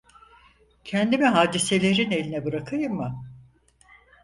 Kendimi hadiselerin eline bırakayım mı?